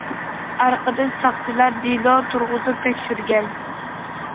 ئارقىدىن، ساقچىلار دېلو تۇرغۇزۇپ تەكشۈرگەن.